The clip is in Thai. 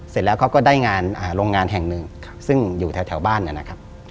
เสร็จแล้วเขาก็ได้งานโรงงานแห่งหนึ่งซึ่งอยู่แถวบ้านนะครับ